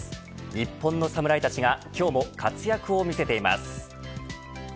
日本の侍たちが今日も活躍を見せています。